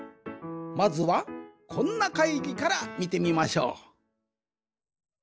まずはこんな会議からみてみましょう！